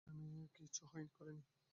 আপনার মেয়ে কিছুই করেনি।